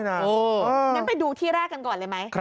งั้นไปดูที่แรกกันก่อนเลยไหม